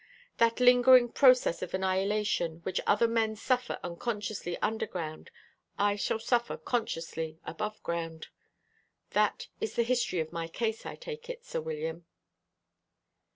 That lingering process of annihilation which other men suffer unconsciously underground I shall suffer consciously above ground. That is the history of my case, I take it, Sir William."